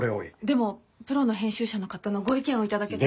でもプロの編集者の方のご意見を頂けたら。